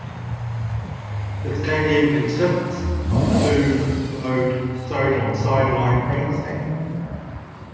The stadium consists of two bowed sideline grandstands.